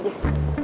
ini lagi ya